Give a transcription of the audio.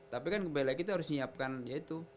tapi kan kembali lagi kita harus nyiapkan ya itu